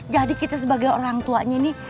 jadi kita sebagai orangtuanya nih